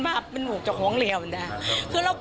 ช่วยเร่งจับตัวคนร้ายให้ได้โดยเร่ง